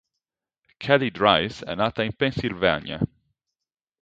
Kelly-Dreiss è nata in Pennsylvania.